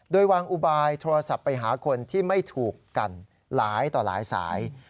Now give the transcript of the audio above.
โดยวางอุบายโทรศัพท์ไปหาคนที่ไม่ถูกกันหลายต่อหลายสาย